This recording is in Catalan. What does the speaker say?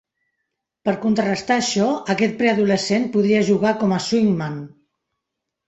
Per contrarestar això, aquest preadolescent podria jugar com "swingman".